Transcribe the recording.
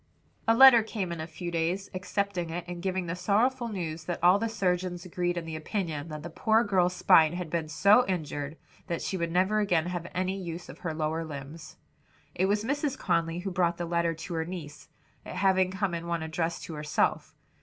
A letter came in a few days, accepting it and giving the sorrowful news that all the surgeons agreed in the opinion that the poor girl's spine had been so injured that she would never again have any use of her lower limbs. It was Mrs Conly who brought the letter to her niece, it having come in one addressed to herself.